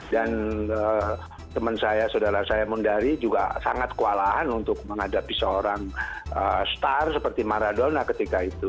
dan teman saya saudara saya mundari juga sangat kewalahan untuk menghadapi seorang star seperti maradona ketika itu